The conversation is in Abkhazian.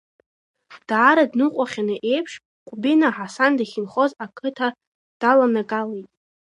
Даара дныҟәахьаны еиԥш, Ҟәбина Ҳасан дахьынхоз ақыҭа даланагалеит.